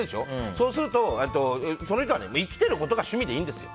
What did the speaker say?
そうするとその人は生きてることが趣味でいいんですよ。